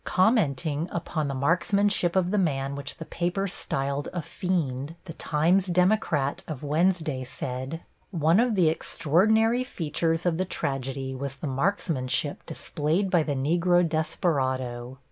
Commenting upon the marksmanship of the man which the paper styled a fiend, the Times Democrat of Wednesday said: One of the extraordinary features of the tragedy was the marksmanship displayed by the Negro desperado.